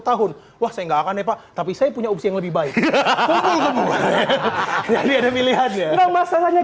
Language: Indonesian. tahun wah saya nggak akan eh pak tapi saya punya opsi yang lebih baik ya ada pilihannya masalahnya